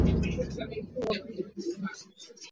wanapokuwa wagonjwa punde tu wanapotahiriwa au wanapojifungua